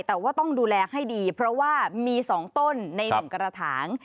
แต่ว่าต้องดูแลให้ดีเพราะว่ามี๒ต้นใน๑กระถาง